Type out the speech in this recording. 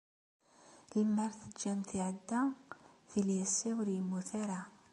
Lemmer teǧǧam-t iɛedda, tili ass-a ur yemmut ara.